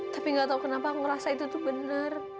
tapi gak tahu kenapa aku ngerasa itu tuh bener